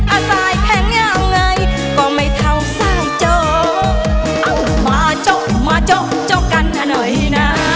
อ่ะสายแข็งยังไงก็ไม่เท่าสายโจ๊ะเอ้ามาโจ๊ะมาโจ๊ะโจ๊ะกันอ่ะหน่อยน่ะ